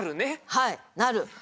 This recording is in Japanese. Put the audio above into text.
はいなる。